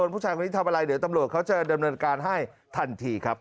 ผู้ชายคนนี้ทำอะไรเดี๋ยวตำรวจเขาจะดำเนินการให้ทันทีครับ